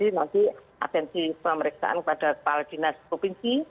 jadi nanti atensi pemeriksaan kepada kepala dinas provinsi